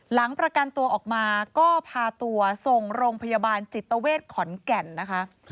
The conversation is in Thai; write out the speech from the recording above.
หลังประกันตัวออกมาก็พาตัวส่งโรงพยาบาลจิตเวทขอนแก่นนะคะ